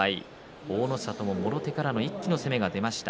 大の里も、もろ手からの一気の攻めが出ました。